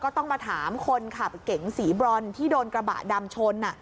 ต้องมาถามคนขับเก๋งสีบรอนที่โดนกระบะดำชน